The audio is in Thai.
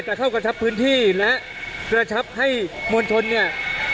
เข้ากระชับพื้นที่และกระชับให้มวลชนเนี่ย